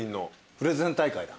プレゼン大会だ。